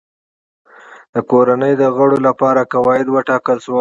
د کورنۍ د غړو لپاره قواعد وټاکل شول.